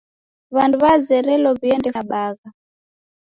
W'andu w'azerelo w'iendefunya bagha.